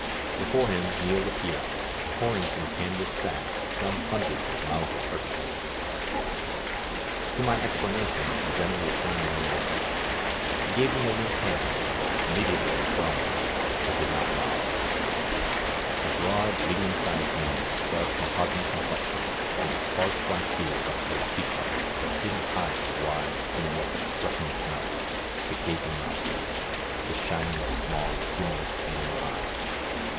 Before him kneeled a peon, pouring from a canvas sack some hundreds of Mauser cartridges. To my explanations the Greneral returned no an swer. He gave me a limp hand, inmiediately with 21 INSURGENT MEXICO drawing it, but did not rise. A broad, medium sized man of dark mahogany complexion, with a sparse black beard up to his cheek bones, that didn't hide the wide, thin, expressionless mouth, the gaping nos trils, the shiny, small, humorous, animal eyes.